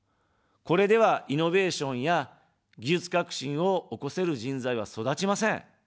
これでは、イノベーションや技術革新を起こせる人材は育ちません。